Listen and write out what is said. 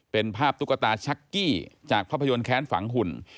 เป็นภาพตุ๊กตาชักกี้จากภาพยนตร์แค้นฝังหุ่น